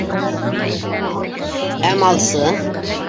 Ә малсы?